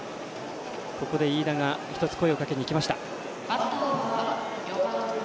ここで飯田が声をかけに行きました。